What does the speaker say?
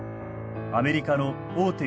アメリカの大手